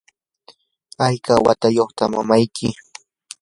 ¿hayka watayuqta mamayki?